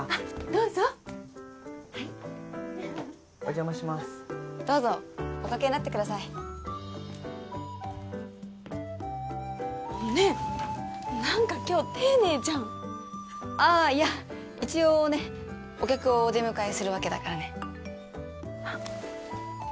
どうぞおかけになってくださいねえ何か今日丁寧じゃんああいや一応ねお客をお出迎えするわけだからねあ！